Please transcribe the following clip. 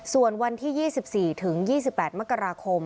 ส่วนวันที่๒๔ถึง๒๘มกราคม